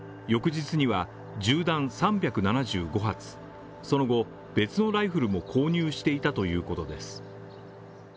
翌日には銃弾３７５発、その後別のライフルも購入していたということです。